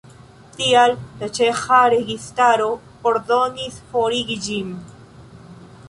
Tial la ĉeĥa registaro ordonis forigi ĝin.